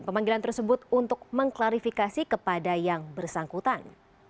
pemanggilan tersebut untuk mengklarifikasi kepada yang bersangkutan